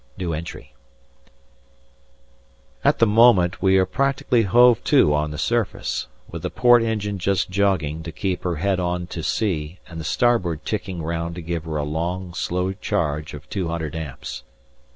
At the moment we are practically hove to on the surface, with the port engine just jogging to keep her head on to sea and the starboard ticking round to give her a long, slow charge of 200 amps.